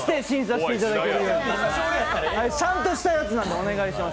ちゃんとしたやつなんでお願いします。